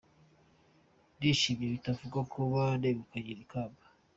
Ndishimye bitavugwa kuba negukanye iri kamba.